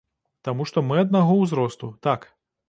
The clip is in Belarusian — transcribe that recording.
Таму што мы аднаго ўзросту, так.